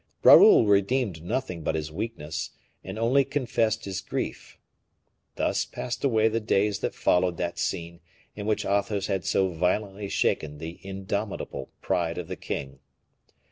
Raoul redeemed nothing but his weakness, and only confessed his grief. Thus passed away the days that followed that scene in which Athos had so violently shaken the indomitable pride of the king.